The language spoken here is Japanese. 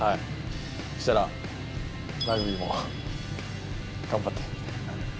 そしたら、ラグビーも頑張って。